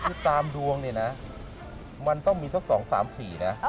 คือตามดวงเนี่ยนะมันต้องมีสัก๒๓๔นะ